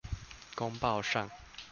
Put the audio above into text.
公報上